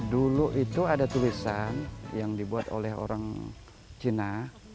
dulu itu ada tulisan yang dibuat oleh orang cina